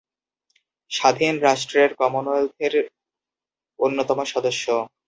স্বাধীন রাষ্ট্রের কমনওয়েলথের অন্যতম সদস্য।